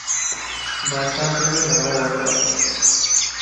باچا ته یې ناره وکړه.